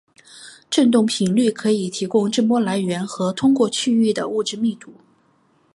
振动频率可以提供震波来源和通过区域的物质密度。